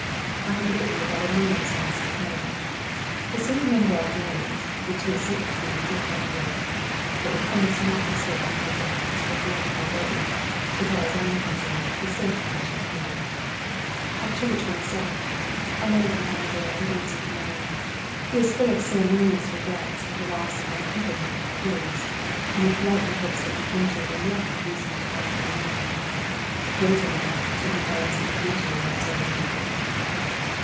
"I have written without a moment's loss of time. The sooner Manuel knows (which he is certain to do through Armadale) that the promise not to sail in the yacht is performed already, so far as I am concerned, the safer I shall feel." "October 27th. A letter from Armadale, in answer to mine. He is full of ceremonious regrets at the loss of my company on the cruise; and he politely hopes that Midwinter may yet induce me to alter my mind. Wait a little, till he finds that Midwinter won't sail with him either!....